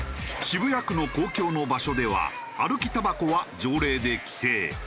渋谷区の公共の場所では歩きたばこは条例で規制。